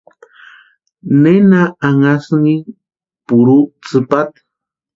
¿Nena anhasïnki purhu tsïpata?